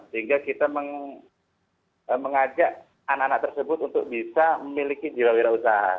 sehingga kita mengajak anak anak tersebut untuk bisa memiliki jiwa wira usaha